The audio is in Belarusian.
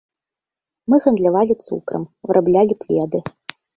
Мы гандлявалі цукрам, выраблялі пледы.